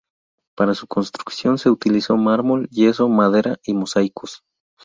Para su construcción se utilizó mármol, yeso, madera y mosaicos.